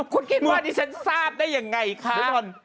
คุณคิดว่าดิฉันทราบได้ยังไงคะ